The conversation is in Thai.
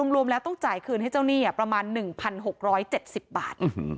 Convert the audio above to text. รวมแล้วต้องจ่ายคืนให้เจ้าหนี้ประมาณ๑๖๗๐บาท